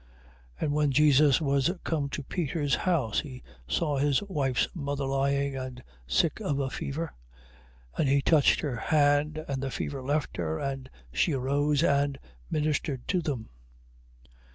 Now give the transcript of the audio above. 8:14. And when Jesus was come into Peter's house, he saw his wife's mother lying, and sick of a fever; 8:15. And he touched her hand, and the fever left her, and she arose and ministered to them.